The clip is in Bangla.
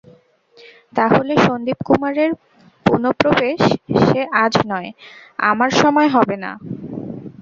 তা হলে সন্দীপকুমারের পুনঃপ্রবেশ– সে আজ নয়, আমার সময় হবে না।